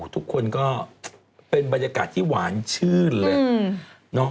ทุกคนก็เป็นบรรยากาศที่หวานชื่นเลย